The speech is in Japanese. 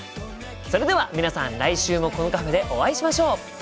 それでは皆さん来週もこのカフェでお会いしましょう！